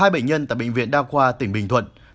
hai bệnh nhân tại bệnh viện đa khoa tỉnh bình thuận